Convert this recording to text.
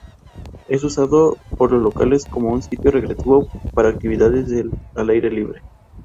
Es usado por los locales como un sitio recreativo para actividades al aire libre